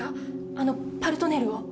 あの「パルトネール」を。